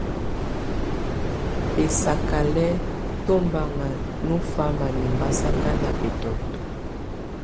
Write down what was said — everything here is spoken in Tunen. Bɛsakalɛ́ tombanŋa nɔ fáma nʼɛmbasaka na bɛtɔ́t.